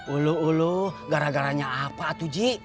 ulu ulu gara garanya apa atau ji